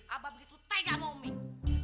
abah begitu tega sama lo miss